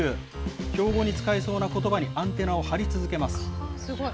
標語に使えそうなことばにアンテナを張り続けます。